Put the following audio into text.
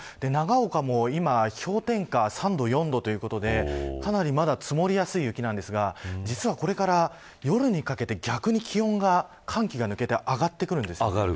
長岡も今氷点下３度、４度ということでかなり、まだ積もりやすい雪なんですがこれから夜にかけて逆に気温が、寒気が抜けて上がってくるんです。